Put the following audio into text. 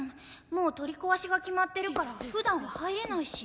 もう取り壊しが決まってるから普段は入れないし。